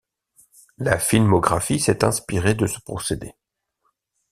La filmographie s'est inspirée de ce procédé.